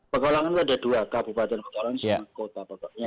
pekalongan itu ada dua kabupaten pekalongan